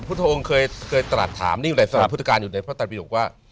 พุทธองค์เคยตลาดถามนี่มีหลายส่วนพุทธกาลอยู่ในพระตันปี๖ว่า